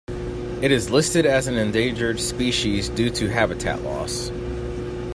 It is listed as an endangered species due to habitat loss.